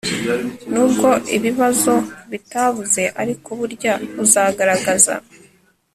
nubwo ibibazo bitabuze ariko burya uzagaragaza